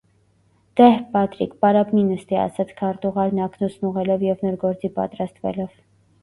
- Դե՛հ, Պատրիկ, պարապ մի նստի,- ասաց քարտուղարն ակնոցն ուղղելով և նոր գործի պատրաստվելով: